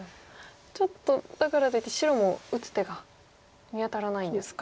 ちょっとだからといって白も打つ手が見当たらないんですか